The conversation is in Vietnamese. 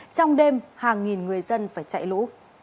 trong đêm hàng nghìn người dân phải chạy lũ